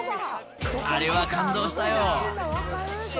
あれは感動したよ。